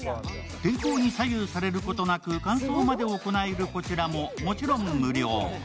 天候に左右されることなく乾燥まで行えるこちらももちろん無料。